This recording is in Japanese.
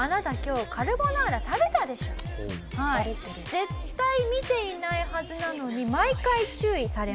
絶対見ていないはずなのに毎回注意されました。